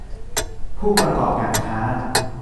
ผู้ประกอบการค้า